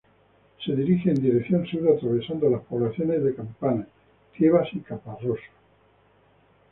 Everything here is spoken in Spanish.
Se dirige en dirección sur atravesando las poblaciones de Campanas, Tiebas,y Caparroso.